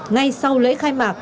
ngay sau lễ khai mạc